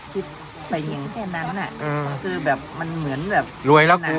คิดไปอย่างแค่นั้นอ่ะอืมคือแบบมันเหมือนแบบรวยแล้วกู